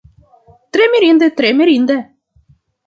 Tre mirinde, tre mirinde!